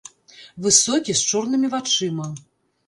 Высокі, з чорнымі вачыма.